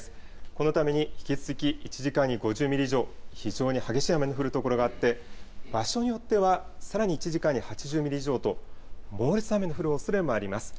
このために、引き続き１時間に５０ミリ以上、非常に激しい雨の降る所があって、場所によっては、さらに１時間に８０ミリ以上と、猛烈な雨の降るおそれもあります。